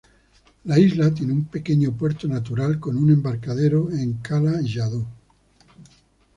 La isla tiene un pequeño puerto natural con un embarcadero en Cala Lladó.